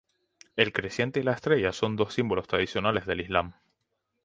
El creciente y la estrella son dos símbolos tradicionales del Islam.